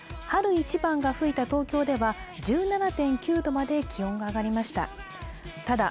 春一番が吹いた東京では１７．９度まで気温が上がりました。